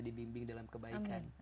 dibimbing dalam kebaikan